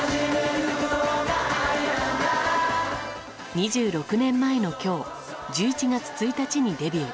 ２６年前の今日１１月１日にデビュー。